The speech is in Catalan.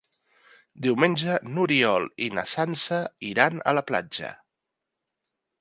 Diumenge n'Oriol i na Sança iran a la platja.